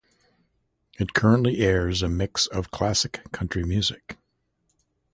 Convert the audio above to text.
It currently airs a mix of classic country music.